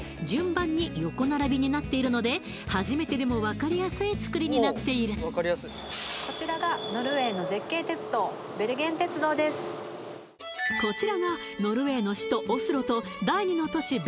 順番に横並びになっているので初めてでも分かりやすいつくりになっているこちらがノルウェーの首都・オスロと第２の都市